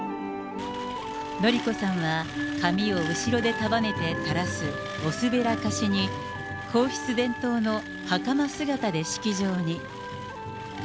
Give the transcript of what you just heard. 典子さんは髪を後ろで束ねて垂らす、おすべらかしに皇室伝統のはかま姿で式場に。